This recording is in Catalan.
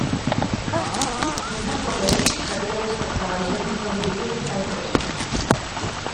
Ningú com ell sabia despatxar la gent amb promptitud i franquesa.